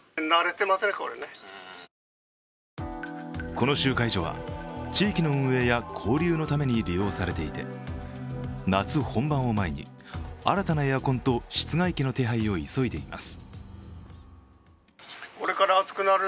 この集会所は地域の運営や交流のために利用されていて夏本番を前に新たなエアコンと室外機の手配を急いでいます。